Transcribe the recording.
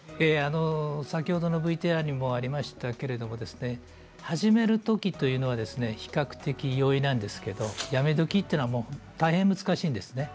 先ほどのＶＴＲにもありましたけど始めるときというのは比較的、容易なんですけどやめ時というのは大変難しいんですね。